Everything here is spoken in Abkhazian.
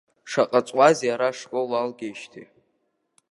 Шаҟа ҵуазеи ара ашкол уалгеижьҭеи?